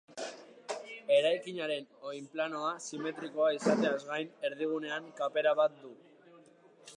Eraikinaren oinplanoa simetrikoa izateaz gain erdigunean kapera bat du.